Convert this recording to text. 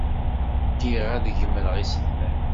Ddiɣ ad gemreɣ iselman.